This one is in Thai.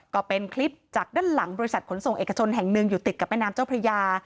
ก็เป็นคลิปจากด้านหลังบริษัทขนส่งเอกชนแห่งหนึ่งอยู่ติดกับแม่น้ำเจ้าพระยา